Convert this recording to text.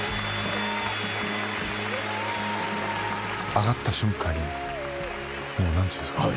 上がった瞬間にもう何ていうんですかね